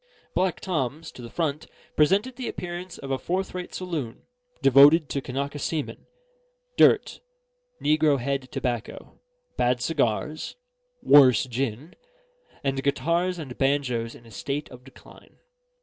Black Tom's, to the front, presented the appearance of a fourth rate saloon, devoted to Kanaka seamen, dirt, negrohead tobacco, bad cigars, worse gin, and guitars and banjos in a state of decline.